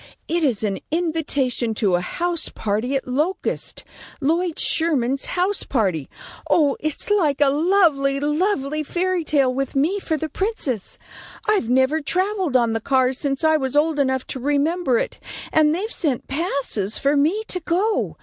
It is an invitation to a house party at Locust; Lloyd Sherman's house party. Oh, it's like a lovely, lovely fairy tale with me for the princess. I've never travelled on the cars since I was old enough to remember it, and they've sent passes for me to go.